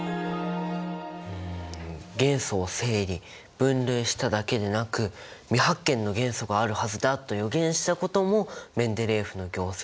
元素を整理分類しただけでなく未発見の元素があるはずだと予言したこともメンデレーエフの業績なのか。